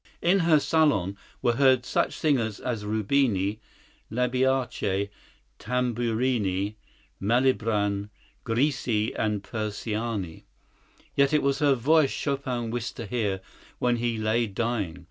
] In her salon were heard such singers as Rubini, Lablache, Tamburini, Malibran, Grisi and Persiani. Yet it was her voice Chopin wished to hear when he lay dying!